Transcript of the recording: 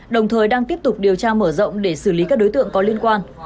đồng thời đang tiếp tục điều tra mở rộng để xử lý các đối tượng có liên quan